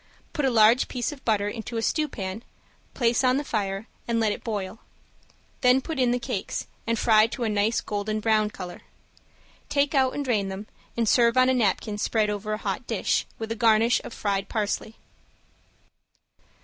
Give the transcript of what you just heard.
Put a large piece of butter into a stewpan, place on the fire and let it boil. Then put in the cakes and fry to a nice golden brown color. Take out and drain them, and serve on a napkin spread over a hot dish, with a garnish of fried parsley.